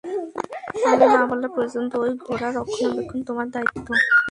আমি না বলা পর্যন্ত, এই ঘোড়া রক্ষণাবেক্ষণ তোমার দায়িত্ব।